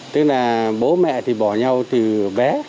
tức là bố mẹ thì bỏ nhau từ bé